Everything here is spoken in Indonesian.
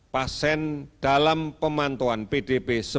pasien dalam pemantauan pdb sebelas delapan ratus tujuh puluh tiga orang